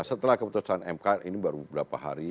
setelah keputusan mk ini baru beberapa hari